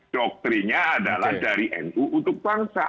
doktrinya adalah dari nu untuk bangsa